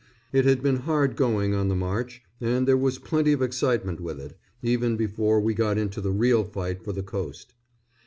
It had been hard going on the march, and there was plenty of excitement with it, even before we got into the real fight for the coast.